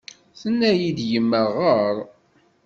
Tenna-yi-d yemma ɣeṛ.